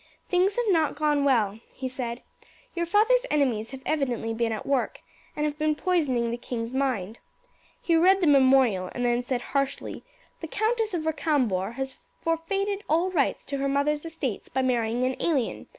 "Things have not gone well," he said. "Your father's enemies have evidently been at work, and have been poisoning the king's mind. He read the memorial, and then said harshly, 'The Countess of Recambours has forfeited all rights to her mother's estates by marrying an alien.